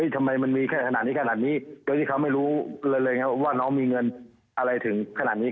ทำไมมันมีแค่ขนาดนี้ขนาดนี้โดยที่เขาไม่รู้เลยครับว่าน้องมีเงินอะไรถึงขนาดนี้